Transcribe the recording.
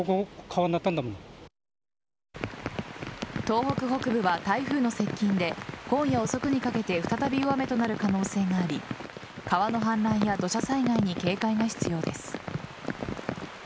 東北北部は台風の接近で今夜遅くにかけて再び大雨となる可能性があり川の氾濫や土砂災害に警戒が必要です。